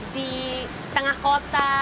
di tengah kota